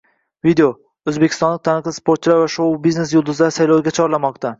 Video: O‘zbekistonlik taniqli sportchilar va shou-biznes yulduzlari saylovga chorlamoqda